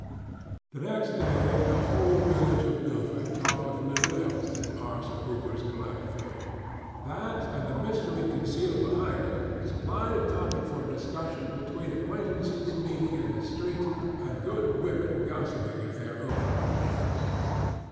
The next day the whole village of Milford talked of little else than Parson Hooper's black veil. That, and the mystery concealed behind it, supplied a topic for discussion between acquaintances meeting in the street and good women gossipping at their open windows.